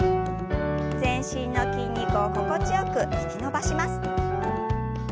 全身の筋肉を心地よく引き伸ばします。